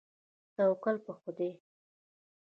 توکل په خدای.